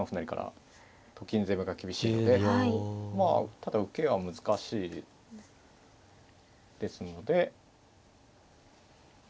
ただ受けは難しいですので。